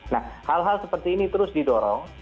nah hal hal seperti ini terus didorong